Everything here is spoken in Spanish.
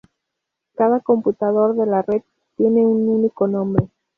Cada computador de la red tiene un único nombre.